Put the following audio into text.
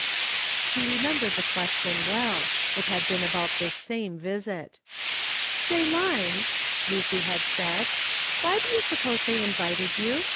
She remembered the question well ; it had been about this same visit. "Say, Line," Lucy had said, "why do you suppose they invited you?